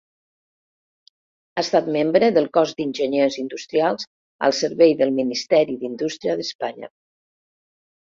Ha estat membre del Cos d'Enginyers Industrials al servei del Ministeri d'Indústria d'Espanya.